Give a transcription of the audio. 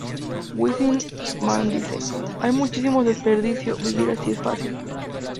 Weissman dice: "Hay muchísimo desperdicio, vivir así es fácil.